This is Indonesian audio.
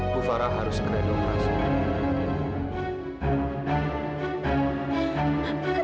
bu farah harus ke operasi